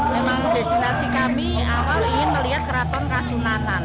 memang destinasi kami awal ingin melihat keraton kasunanan